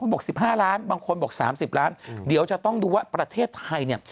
คนบอก๑๕ล้านบาทบางคนบอก๓๐๐๐๐๐เดี๋ยวจะต้องดูว่าประเทศไทย